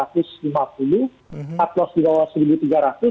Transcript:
taklos di bawah seribu tiga ratus